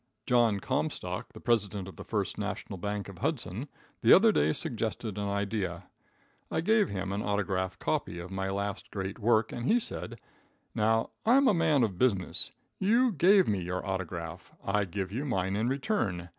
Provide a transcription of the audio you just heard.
John Comstock, the President of the First National Bank, of Hudson, the other day suggested an idea. I gave him an autograph copy of my last great work, and he said: "Now, I'm a man of business. You gave me your autograph, I give you mine in return.